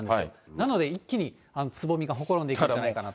なので、一気につぼみがほころんでいくんじゃないかなと。